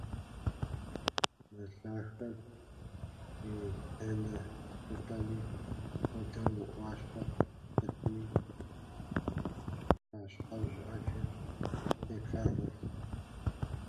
Мы лъахэм и дэнэ щӀыпӀэми хуэдэу, мы Ӏуащхьэ цӀыкӀуми кхъащхьэжь Ӏэджэ теплъагъуэрт…